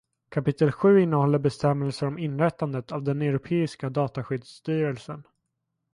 Kapitel sju innehåller bestämmelser om inrättandet av den Europeiska dataskyddsstyrelsen.